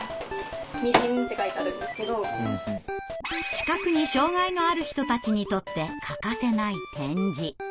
視覚に障害のある人たちにとって欠かせない点字。